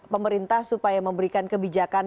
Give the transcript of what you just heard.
pemerintah supaya memberikan kebijakan